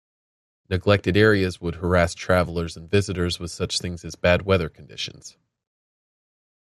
Neglected areas would harass travelers and visitors with such things as bad weather conditions.